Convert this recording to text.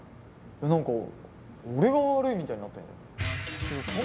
何か俺が悪いみたいになってんじゃん。